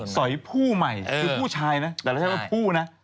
สอยผู้ใหม่คือผู้ชายนะแต่เราใช้ว่าผู้นะ